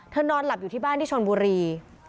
นอนหลับอยู่ที่บ้านที่ชนบุรี